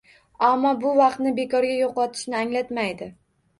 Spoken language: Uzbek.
Ammo bu vaqtni bekorga yo‘qotishni anglatmaydi